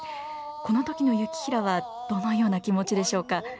この時の行平はどのような気持ちでしょうか。